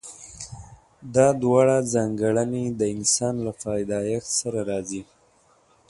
دا دواړه ځانګړنې د انسان له پيدايښت سره راځي.